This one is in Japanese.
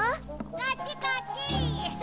こっちこっち！